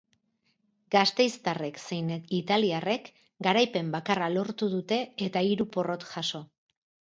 Gasteiztarrek zein italiarrek garaipen bakarra lortu dute eta hiru porrot jaso.